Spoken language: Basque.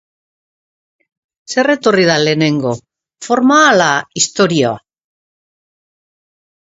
Zer etorri da lehenengo, forma ala istorioa?